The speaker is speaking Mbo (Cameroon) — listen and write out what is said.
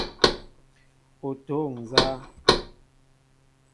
O toóŋ nzá ?